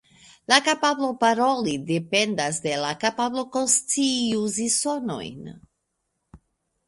La kapablo paroli dependas de la kapablo konscie uzi sonojn.